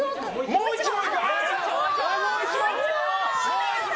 もう１問！